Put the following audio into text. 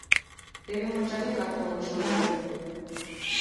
Теве монча декат толын шуэве.